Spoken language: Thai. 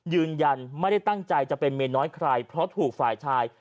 ยืนยันไม่ได้ตั้งใจจะเป็นเมียน้อยใครเพราะถูกฝ่ายชาย